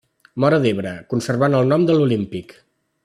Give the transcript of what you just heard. Móra d'Ebre, conservant el nom de l'Olímpic.